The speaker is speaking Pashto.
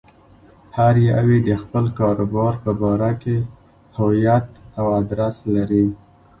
هر يو يې د خپل کاروبار په باره کې هويت او ادرس لري.